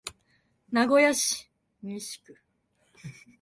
名古屋市西区